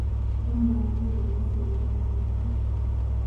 Wambwa yabuuza, emmese ezannya etya?